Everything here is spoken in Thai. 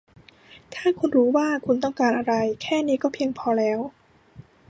ถ้าคุณรู้ว่าคุณต้องการอะไร แค่นี้ก็เพียงพอแล้ว